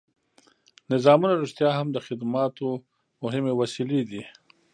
نظامونه رښتیا هم د خدماتو مهمې وسیلې دي.